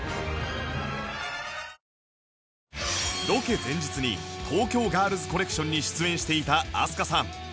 ロケ前日に東京ガールズコレクションに出演していた飛鳥さん